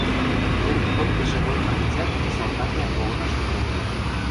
йӹр кым эшелонна гӹцӓт салтаквлӓ погынаш тӹнгӓлевӹ.